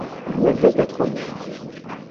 Il y a deux pétroliers.